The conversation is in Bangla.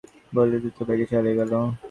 বলিয়া দ্রুতবেগে চলিয়া গেল।